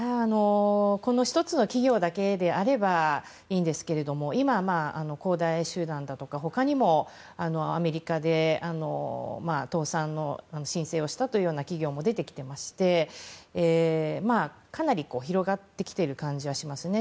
１つの企業だけであればいいんですけども今、恒大集団だとか他にもアメリカで倒産の申請をしたという企業も出てきていましてかなり広がってきている感じはしますね。